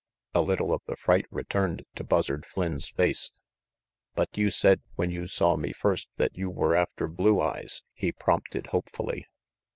A little of the fright returned to Buzzard Flynn's face. "But you said when you saw me first that you were after Blue Eyes," he prompted hopefully.